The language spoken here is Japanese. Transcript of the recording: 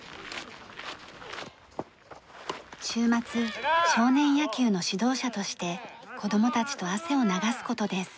週末少年野球の指導者として子供たちと汗を流す事です。